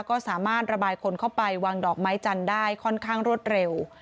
ก็สามารถระบายคนเข้าไปวางดอกไม้จันทร์ได้ค่อนข้างรวดเร็ว